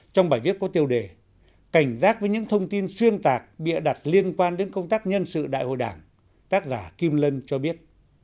trong bài viết có tiêu đề cảnh giác với những thông tin xuyên tạc bịa đặt liên quan đến công tác nhân sự đại hội đảng tác giả kim lân cho biết